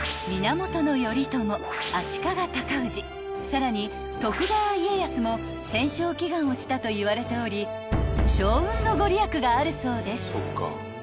［さらに徳川家康も戦勝祈願をしたといわれており勝運の御利益があるそうです］